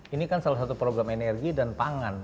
ini kan salah satu program energi dan pangan